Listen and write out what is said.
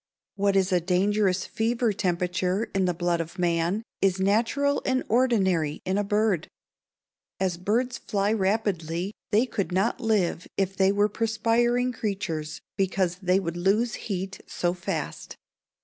What is a dangerous fever temperature in the blood of man, is natural and ordinary in a bird. As birds fly rapidly, they could not live if they were perspiring creatures because they would lose heat so fast.